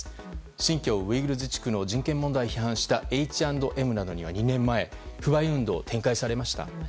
新疆ウイグル自治区の人権問題を批判したＨ＆Ｍなどには２年前、不買運動が展開されました。